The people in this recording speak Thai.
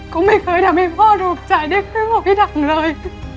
ก็ไม่เคยทำให้พ่อถูกใจได้ก็ไม่พูดพี่ทั้งเลย